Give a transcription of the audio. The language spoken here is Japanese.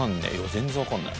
全然分かんない。